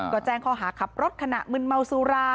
ก็แจ้งข้อหาขับรถขณะมึนเมาสุรา